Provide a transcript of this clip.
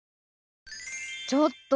ちょっと！